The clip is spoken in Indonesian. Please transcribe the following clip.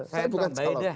saya bukan calon